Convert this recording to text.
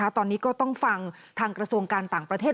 ตอนนี้ก็ต้องฟังทางกระทรวงการต่างประเทศ